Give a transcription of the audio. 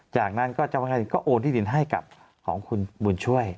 จากนั้นก็เจ้าพนักงานก็โอนที่ดินให้กับของคุณบุญช่วย